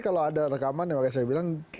kalau ada rekaman yang saya bilang